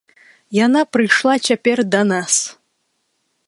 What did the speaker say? Яна прыйшла цяпер да нас.